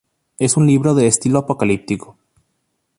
Es un libro de estilo apocalíptico.